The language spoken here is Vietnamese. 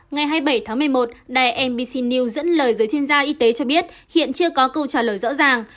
ngày hai mươi bảy tháng một mươi một đài mbc news dẫn lời giới chuyên gia y tế cho biết hiện chưa có câu trả lời rõ ràng